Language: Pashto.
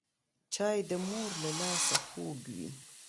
چای د مور له لاسه خوږ وي